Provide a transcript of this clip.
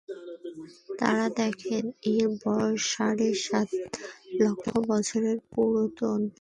তারা দেখেন, এর বয়স সাড়ে সতের লক্ষ বছরের পুরাতন।